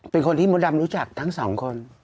เป็นคนที่มดดำรู้จักทั้งสองคน